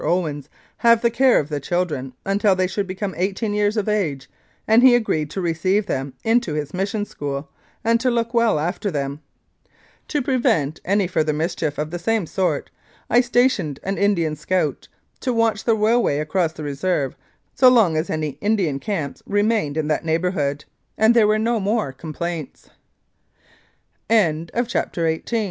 Owens have the care of the children until they should become eighteen years of age, and he agreed to receive them into his Mission School and to look well after them. To prevent any further mischief of the same sort, I stationed an Indian scout to watch the railway across the Reserve so long as any Indian camps remained in that neighbourho